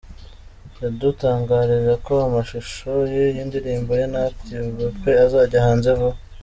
Yadutangarije ko amashusho y'iyi ndirimbo ye na Active ‘Bape’ azajya hanze vuba.